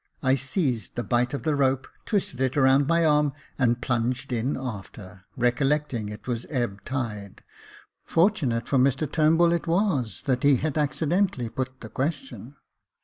I seized the bight of the rope, twisted it round my arm, and plunged in after, recollecting it was ebb tide: fortunate for Mr Turnbull it was that he had accidentally put the question.